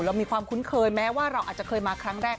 เรามีความคุ้นเคยแม้ว่าเราอาจจะเคยมาครั้งแรก